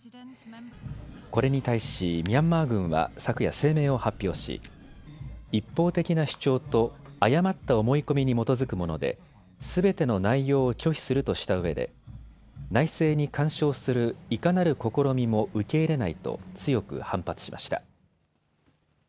これに対しミャンマー軍は昨夜声明を発表し一方的な主張と誤った思い込みに基づくものですべての内容を拒否するとしたうえで内政に干渉する、いかなる試みも受け入れないと強く反発しました。